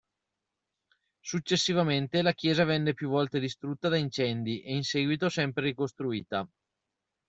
Successivamente la chiesa venne più volte distrutta da incendi e in seguito sempre ricostruita.